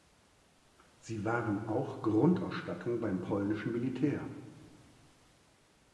Sie waren auch Grundausstattung beim polnischen Militär.